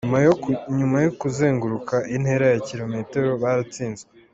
Nyuma yo kuzenguruka intera ya kilometero, baratsinzwe.